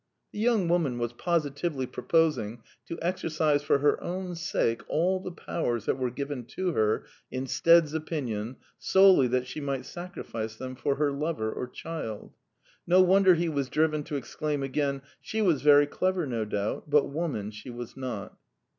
The young woman was positively proposing to exercise for her own sake all the powers that were given to her, in Stead's opinion, solely that she might sacri fice them for her lover or child 1 No wonder he was driven to exclaim again, " She was very clever, no doubt; but woman she was not."